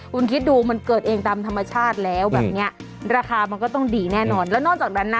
คุณคิดดูมันเกิดเองตามธรรมชาติแล้วแบบเนี้ยราคามันก็ต้องดีแน่นอนแล้วนอกจากนั้นนะ